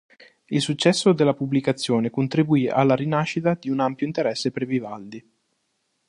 Il successo della pubblicazione contribuì alla rinascita di un ampio interesse per Vivaldi.